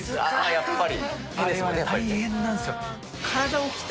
やっぱり。